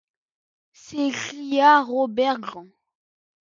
s’écria Robert Grant.